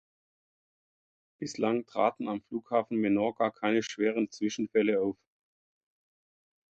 Bislang traten am Flughafen Menorca keine schweren Zwischenfälle auf.